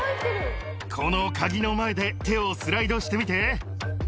この鍵の前で手をスライドしてみて。